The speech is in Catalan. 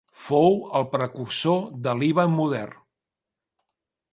Fou el precursor de Líban modern.